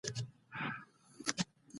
وروسته د ازادۍ غوښتنه پیل شوه.